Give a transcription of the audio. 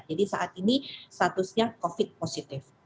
jadi saat ini statusnya covid positif